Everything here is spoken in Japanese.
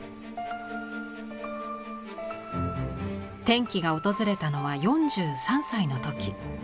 転機が訪れたのは４３歳の時。